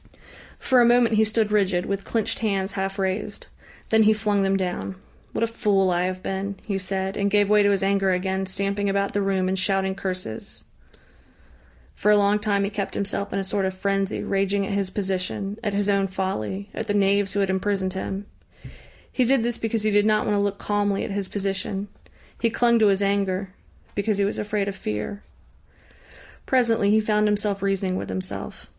For a moment he stood rigid, with clenched hands half raised. Then he flung them down. "What a fool I have been!" he said, and gave way to his anger again, stamping about the room and shouting curses.... For a long time he kept himself in a sort of frenzy, raging at his position, at his own folly, at the knaves who had imprisoned him. He did this because he did not want to look calmly at his position. He clung to his anger because he was afraid of fear. Presently he found himself reasoning with himself.